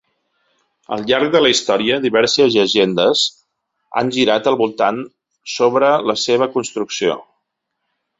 Al llarg de la història, diverses llegendes han girat al voltant sobre la seva construcció.